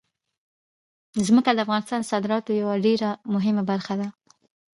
ځمکه د افغانستان د صادراتو یوه ډېره مهمه برخه ده.